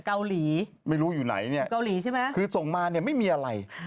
เกาหลีไม่รู้อยู่ไหนเนี่ยเกาหลีใช่ไหมคือส่งมาเนี่ยไม่มีอะไร